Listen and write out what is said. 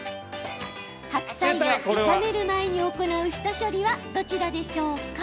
白菜を炒める前に行う下処理はどちらでしょうか？